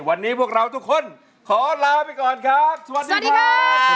วันนี้พวกเราทุกคนขอลาไปก่อนครับสวัสดีครับ